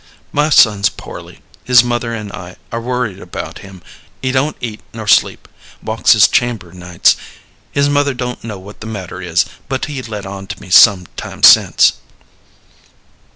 My son's poorly. His mother and I are worried about him. He don't eat nor sleep walks his chamber nights. His mother don't know what the matter is, but he let on to me some time since."